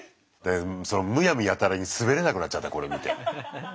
むやみやたらにスベれなくなっちゃったこれ見て。